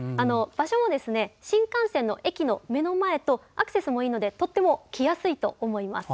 場所も新幹線の駅の目の前とアクセスもいいのでとても来やすいと思います。